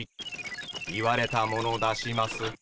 言われたもの出します。